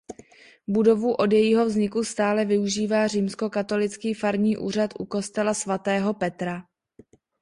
Budovu od jejího vzniku stále využívá Římskokatolický farní úřad u kostela svatého Petra.